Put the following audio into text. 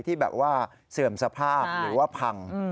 ที่แบบว่าเสื่อมสภาพหรือว่าพัง